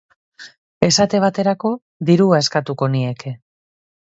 Esate baterako, dirua eskatuko nieke.